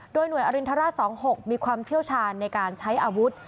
โดยหน่วยอรินทราช๒๖มีความเชี่ยวชาญในการใช้อาวุธ